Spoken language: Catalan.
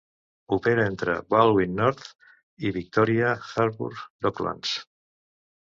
Opera entre Balwyn North i Victoria Harbour Docklands.